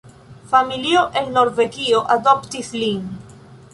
Familio el Norvegio adoptis lin.